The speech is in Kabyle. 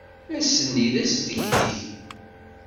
Ass-nni d asdegdeg.